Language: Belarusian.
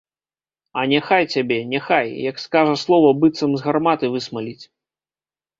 А няхай цябе, няхай, як скажа слова, быццам з гарматы высмаліць.